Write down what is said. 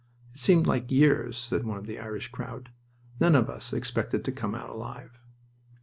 "It seemed like years!" said one of the Irish crowd. "None of us expected to come out alive."